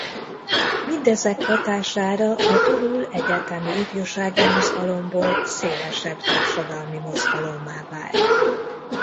Mindezek hatására a Turul egyetemi ifjúsági mozgalomból szélesebb társadalmi mozgalommá vált.